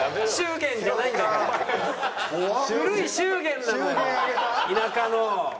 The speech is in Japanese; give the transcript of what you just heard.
古い祝言なのよ田舎の。